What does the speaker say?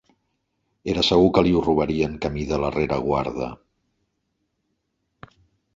Era segur que li ho robarien camí de la rereguarda.